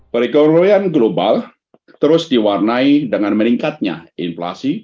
perekonomian global terus diwarnai dengan meningkatnya inflasi